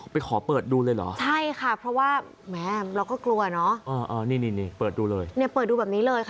พ่อเปิดดูเลย